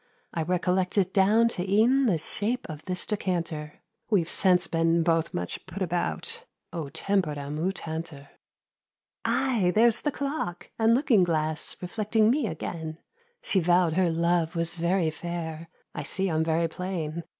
I recollect it down to e'en The shape of this decanter. We've since been both much put about— "O tempora mutantur!" Aye, there's the clock, and looking glass Reflecting me again; She vow'd her Love was very fair— I see I'm very plain.